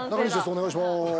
お願いします。